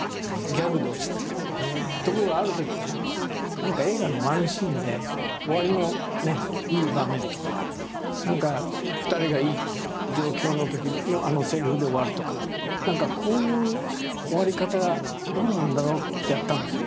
何か映画のワンシーンで終わりのいい場面とか何か２人がいい状況のときのあのせりふで終わるとか何かこういう終わり方どうなんだろうってやったんですよ。